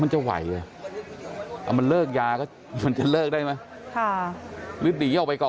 อาจจะเลิกยามันจะเลิกได้ไหม